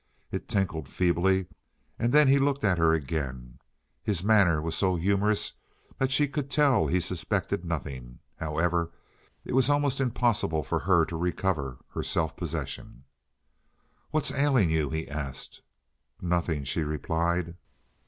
It tinkled feebly, and then he looked at her again. His manner was so humorous that she could tell he suspected nothing. However, it was almost impossible for her to recover her self possession. "What's ailing you?" he asked. "Nothing," she replied.